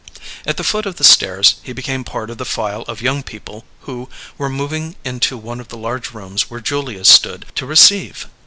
At the foot of the stairs he became part of the file of young people who were moving into one of the large rooms where Julia stood to "receive."